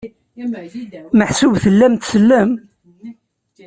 Meḥsub tellam tsellem?